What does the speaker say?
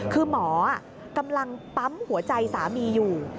คือหมอกำลังปั๊มหัวใจสามีอยู่